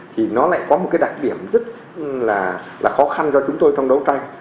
thì nó lại có một đại điểm rất là khó khăn cho chúng tôi trong đấu tranh